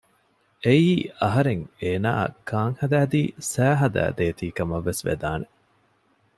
އެއީ އަހަރެން އޭނާއަށް ކާން ހަދައިދީ ސައި ހަދައި ދޭތީ ކަމަށްވެސް ވެދާނެ